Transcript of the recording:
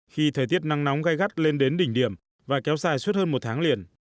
khi thời tiết nắng nóng gai gắt lên đến đỉnh điểm và kéo dài suốt hơn một tháng liền